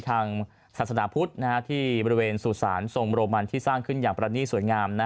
ทางศาสนาพุทธที่บริเวณสุสานทรงโรมันที่สร้างขึ้นอย่างประนีตสวยงาม